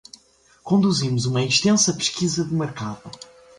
Conduzimos uma extensa pesquisa de mercado.